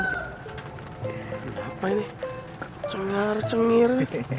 kenapa ini cengar cengir